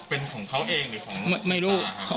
พ่อของสทเปี๊ยกบอกว่า